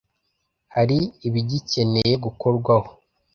hari ibigikeneye gukorwa ho.